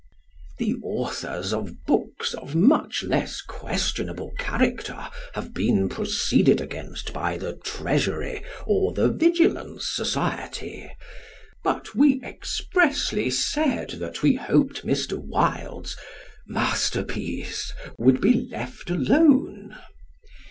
The authors of books of much less questionable character have been proceeded against by the Treasury or the Vigilance Society; but we expressly said that we hoped Mr. Wilde's masterpiece would be left alone.